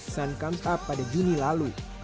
sun comes up pada juni lalu